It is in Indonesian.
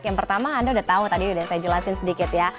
yang pertama anda udah tahu tadi udah saya jelasin sedikit ya